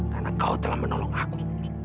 karena kau telah menolong aku